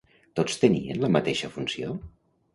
Tots tenien la mateixa funció?